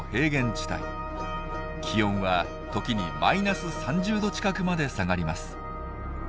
気温は時にマイナス３０℃近くまで下がります。